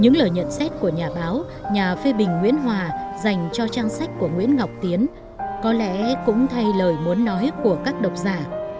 những lời nhận xét của nhà báo nhà phê bình nguyễn hòa dành cho trang sách của nguyễn ngọc tiến có lẽ cũng thay lời muốn nói của các độc giả